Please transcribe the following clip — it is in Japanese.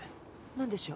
何でしょう？